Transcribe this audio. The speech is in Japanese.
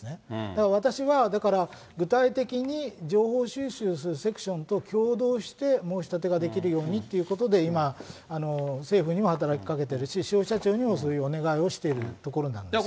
だから、私はだから具体的に情報収集するセクションと共同して申し立てができるようにということで今、政府には働きかけてるし、消費者庁にもそういうお願いをしているところなんです。